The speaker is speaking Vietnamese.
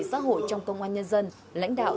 xã hội trong công an nhân dân lãnh đạo